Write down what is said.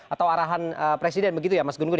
atau arahan presiden begitu ya mas gungun